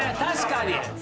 確かに。